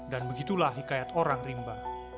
dan begitulah hikayat orang rimba